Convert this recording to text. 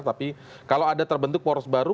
tapi kalau ada terbentuk poros baru